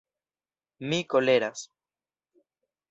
Mi koleras.